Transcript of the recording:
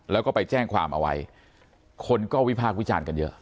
แล้วก็ไปแจ้งความเอาไว้คนก็วิพากษ์วิจารณ์กันเยอะ